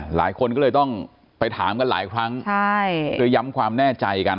หลายคนก็เลยต้องไปถามกันหลายครั้งเพื่อย้ำความแน่ใจกัน